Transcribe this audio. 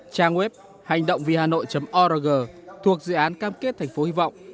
trang web hành độngvihanoi org thuộc dự án cam kết thành phố hy vọng